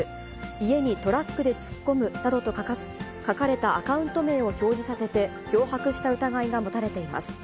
家にトラックで突っ込むなどと書かれたアカウント名を表示させて、脅迫した疑いが持たれています。